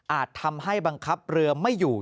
ทำให้บังคับเรือไม่อยู่